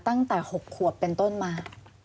ตั้งแต่๖ขวบเป็นต้นมา